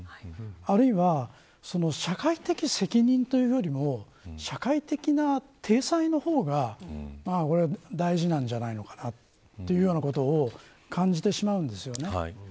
あるいは社会的責任というよりも社会的な体裁の方が大事なんじゃないのかなというようなところを感じてしまうんですね。